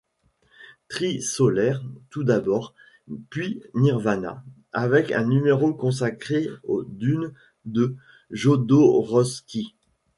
Tri-Solaires tout d'abord, puis Nirvana avec un numéro consacré au Dune de Jodorowsky.